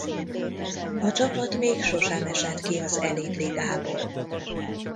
A csapat még sosem esett ki az elit ligából.